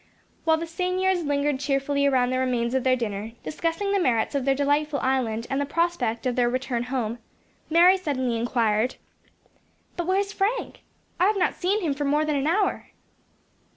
While the seniors lingered cheerfully around the remains of their dinner, discussing the merits of their delightful island and the prospect of their return home, Mary suddenly inquired: "But where is Frank? I have not seen him for half an hour."